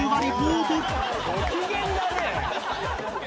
ご機嫌だね！